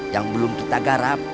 yang belum kita garap